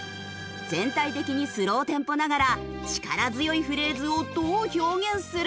全体的にスローテンポながら力強いフレーズをどう表現するか？